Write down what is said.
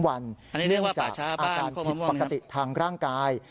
วันเนื่องจากอาการผิดปกติทางร่างกาย